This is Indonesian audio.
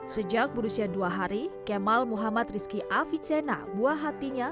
sejak berusia dua hari kemal muhammad rizki aficena buah hatinya